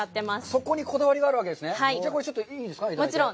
そこにこだわりがあるわけですね。